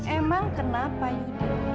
emang kenapa yudit